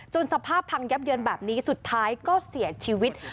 สภาพพังยับเยินแบบนี้สุดท้ายก็เสียชีวิต